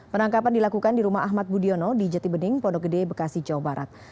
penangkapan dilakukan di rumah ahmad budiono di jati bening pondok gede bekasi jawa barat